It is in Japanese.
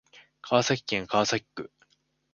川崎市川崎区